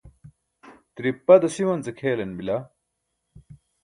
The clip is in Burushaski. tiripa dasiwance kʰelan bila